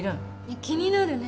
気になるね。